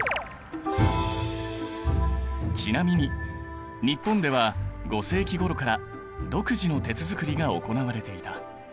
ちなみに日本では５世紀ごろから独自の鉄づくりが行われていた。